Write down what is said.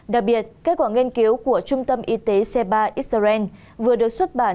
đặc biệt kết quả nghiên cứu của trung tâm y tế c ba israel vừa được xuất bản